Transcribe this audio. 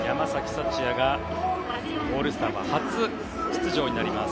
福也がオールスターは初出場になります。